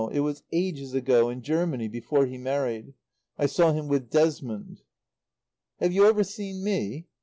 it was ages ago in Germany before he married. I saw him with Desmond." "Have you ever seen me?"